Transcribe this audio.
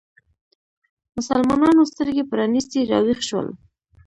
مسلمانانو سترګې پرانیستې راویښ شول